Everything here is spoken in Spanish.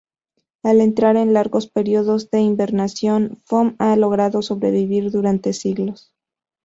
Al entrar en largos períodos de hibernación, Foom ha logrado sobrevivir durante siglos.